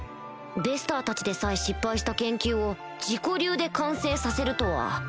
ベスターたちでさえ失敗した研究を自己流で完成させるとは